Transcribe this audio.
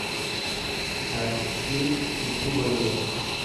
ڌاٽڪي مٺي ٻولي هي.